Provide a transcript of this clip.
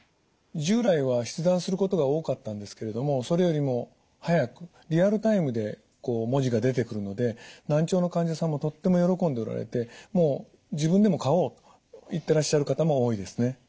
従来は筆談することが多かったんですけれどもそれよりも早くリアルタイムで文字が出てくるので難聴の患者さんもとっても喜んでおられてもう「自分でも買おう」と言ってらっしゃる方も多いですね。